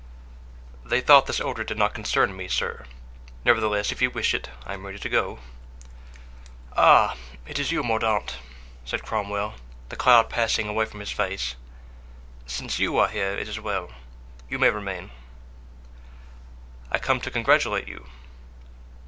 "They thought this order did not concern me, sir; nevertheless, if you wish it, I am ready to go." "Ah! is it you, Mordaunt?" said Cromwell, the cloud passing away from his face; "since you are here, it is well; you may remain." "I come to congratulate you."